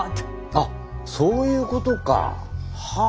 あっそういうことか。は。